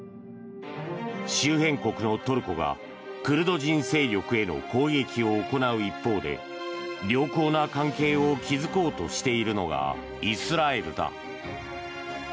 周辺国のトルコがクルド人勢力への攻撃を行う一方で良好な関係を築こうとしているのがイスラエルだ。